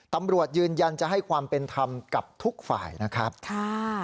ตำรวจยืนยันจะให้ความเป็นธรรมกับทุกฝ่ายนะครับค่ะ